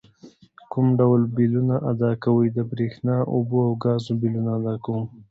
کوم ډول بیلونه ادا کوئ؟ د بریښنا، اوبو او ګازو بیلونه ادا کوم